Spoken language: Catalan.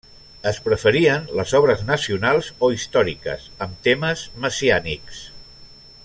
Es preferien les obres nacionals o històriques amb temes messiànics.